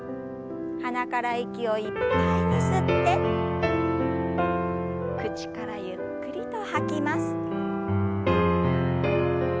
鼻から息をいっぱいに吸って口からゆっくりと吐きます。